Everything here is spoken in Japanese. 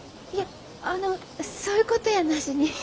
いやあのそういうことやなしに。